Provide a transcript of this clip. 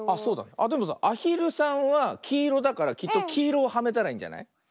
あっでもさアヒルさんはきいろだからきっときいろをはめたらいいんじゃない？